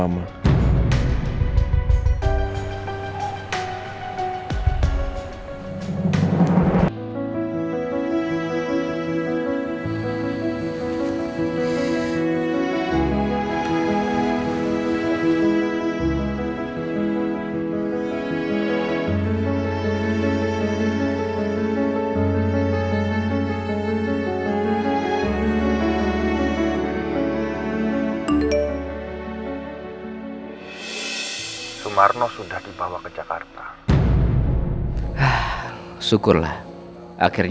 apa bapak ketangkep